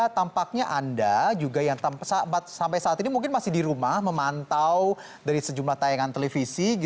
karena tampaknya anda juga yang sampai saat ini mungkin masih di rumah memantau dari sejumlah tayangan televisi